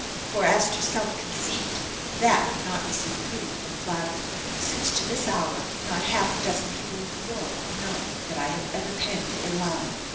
For as to self conceit, that could not receive food from flattery, since to this hour, not half a dozen people in the world know that I have ever penned a line.